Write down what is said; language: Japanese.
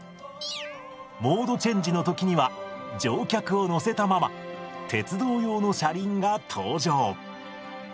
モードチェンジの時には乗客を乗せたまま鉄道用の車輪が登場！